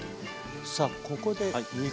さあここで肉。